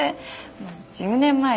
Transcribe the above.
もう１０年前だし。